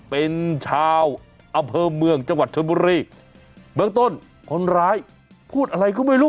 เป็นชาวอำเภอเมืองจังหวัดชนบุรีเบื้องต้นคนร้ายพูดอะไรก็ไม่รู้